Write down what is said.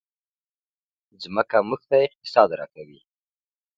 مځکه موږ ته اقتصاد راکوي.